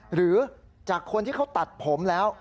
หรือจากคนที่เขาตัดผมแล้ว